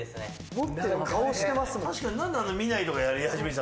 持ってる顔してますもん。